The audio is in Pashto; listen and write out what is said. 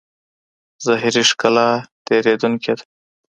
ظاهري ښکلا تېرېدونکې ده.